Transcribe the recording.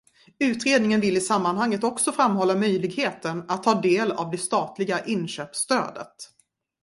Utredningen vill i sammanhanget också framhålla möjligheten att ta del av det statliga inköpsstödet.